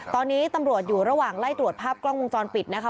ตอนนี้ตำรวจอยู่ระหว่างไล่ตรวจภาพกล้องวงจรปิดนะคะ